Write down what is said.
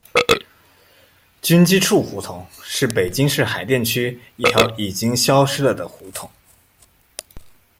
军机处胡同是北京市海淀区一条已经消失了的胡同。